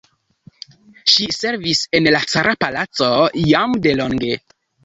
Ŝi servis en la cara palaco jam de longe.